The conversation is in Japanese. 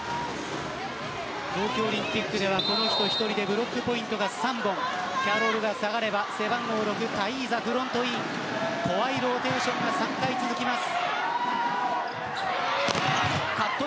東京オリンピックではこの人１人でブロックポイントが３本キャロルが下がればタイーザがフロントイン怖い選手が続きます。